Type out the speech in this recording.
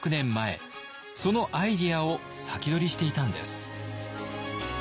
そのアイデアを先取りしていたんです。